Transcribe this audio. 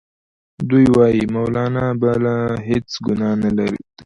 دوی وايي مولنا بله هیڅ ګناه نه ده کړې.